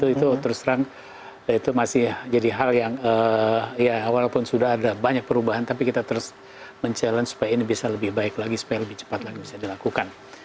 itu terus terang itu masih jadi hal yang ya walaupun sudah ada banyak perubahan tapi kita terus mencabar supaya ini bisa lebih baik lagi supaya lebih cepat lagi bisa dilakukan